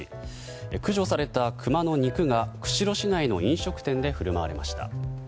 駆除されたクマの肉が釧路市内の飲食店で振る舞われました。